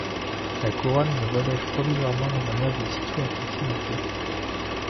La couronne le reloge provisoirement dans un meublé situé à proximité.